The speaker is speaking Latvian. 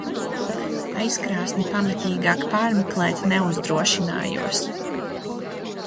Aizkrāsni pamatīgāk pārmeklēt neuzdrošinājos.